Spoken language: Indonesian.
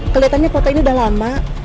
keliatannya kota ini udah lama